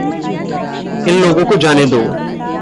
इन लोगों को जाने दो।